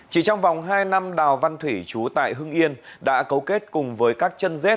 chỉ trong vòng hai năm đào văn thủy chú tại hưng yên đã cấu kết cùng với các chân dết